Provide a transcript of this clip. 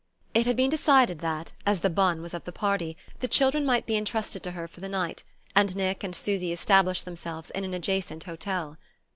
It had been decided that, as the bonne was of the party, the children might be entrusted to her for the night, and Nick and Susy establish themselves in an adjacent hotel.